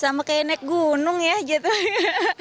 sama kayak naik gunung ya jatuhnya